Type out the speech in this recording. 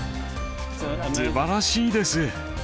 すばらしいです。